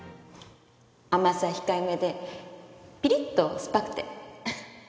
甘さ控えめでピリッと酸っぱくて。